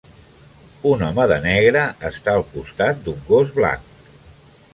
Un home de negre està al costat d'un gos blanc.